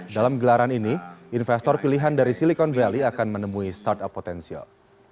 dalam gelaran ini investor pilihan dari silicon valley akan menemui startup potensial